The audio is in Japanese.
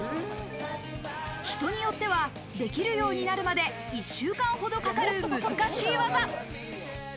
人によってはできるようになるまで１週間ほどかかる難しい技。